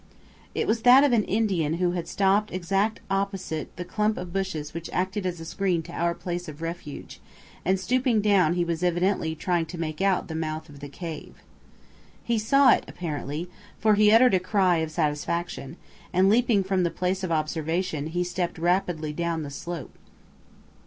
It was that of an Indian who had stopped exactly opposite the clump of bushes which acted as a screen to our place of refuge, and stooping down he was evidently trying to make out the mouth of the cave. He saw it apparently, for he uttered a cry of satisfaction, and leaping from the place of observation he stepped rapidly down the slope.